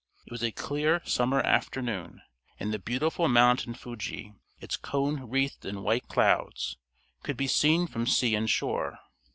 It was a clear summer afternoon, and the beautiful mountain Fuji, its cone wreathed in white clouds, could be seen from sea and shore.